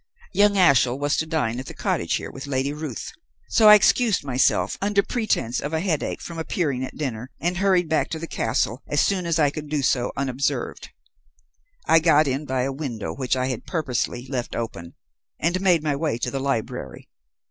Young Ashiel was to dine at the cottage here, with Lady Ruth; so I excused myself under pretence of a headache from appearing at dinner, and hurried back to the castle as soon as I could do so unobserved. I got in by a window which I had purposely left open, and made my way to the library.